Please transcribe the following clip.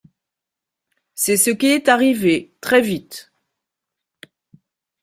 C'est ce qui est arrivé, très vite.